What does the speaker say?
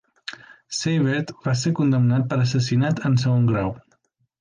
Seibert va ser condemnat per assassinat en segon grau.